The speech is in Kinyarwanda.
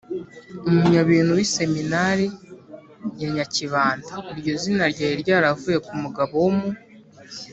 Umunyabintu b'Iseminari ya Nyakibanda. Iryo zina ryari ryaravuye ku mugabo wo mu